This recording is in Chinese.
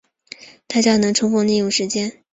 大家能充分利用时间